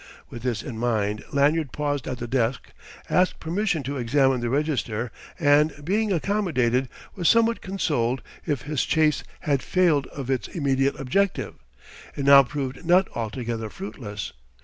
With this in mind, Lanyard paused at the desk, asked permission to examine the register and, being accommodated, was somewhat consoled; if his chase had failed of its immediate objective, it now proved not altogether fruitless.